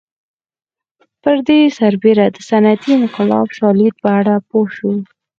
پر دې سربېره د صنعتي انقلاب د شالید په اړه پوه شو